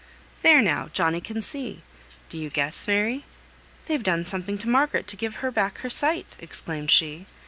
"There now! Johnnie can see. Do you guess, Mary?" "They've done something to Margaret to give her back her sight!" exclaimed she.